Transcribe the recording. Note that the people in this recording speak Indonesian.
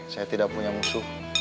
saya tidak punya musuh